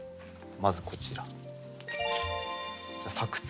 まずこちら。